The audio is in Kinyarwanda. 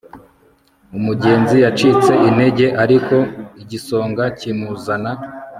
umugenzi yacitse intege, ariko igisonga kimuzana